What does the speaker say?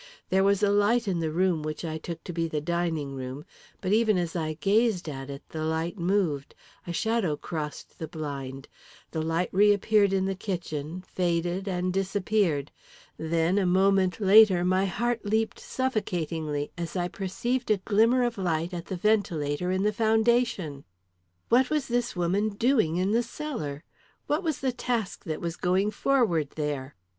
There was a light in the room which I took to be the dining room, but even as I gazed at it, the light moved, a shadow crossed the blind; the light reappeared in the kitchen, faded and disappeared then, a moment later, my heart leaped suffocatingly as I perceived a glimmer of light at the ventilator in the foundation! What was this woman doing in the cellar? What was the task that was going forward there?